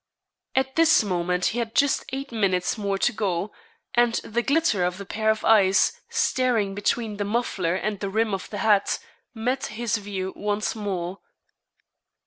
At this moment he had just eight minutes more to go, and the glitter of the pair of eyes, staring between the muffler and the rim of the hat, met his view once more.